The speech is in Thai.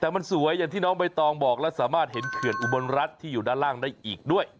แต่มันสวยอย่างที่น้องใบตองบอกแล้วสามารถเห็นเขื่อนอุบลรัฐที่อยู่ด้านล่างได้อีกด้วย